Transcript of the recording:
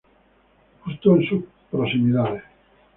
Justo en sus proximidades.